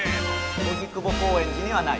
「荻窪・高円寺にはない」。